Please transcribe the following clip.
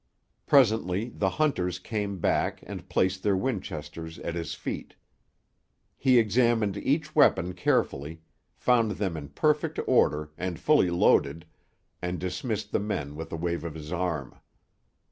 Presently the hunters came back and placed their Winchesters at his feet. He examined each weapon carefully, found them in perfect order and fully loaded, and dismissed the men with a wave of his arm.